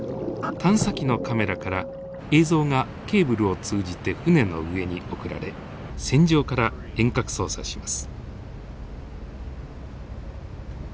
探査機のカメラから映像がケーブルを通じて船の上に送られ船上から遠隔操作します。